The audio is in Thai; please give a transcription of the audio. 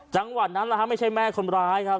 จังหวัดนั้นไม่ใช่แม่คนร้ายครับ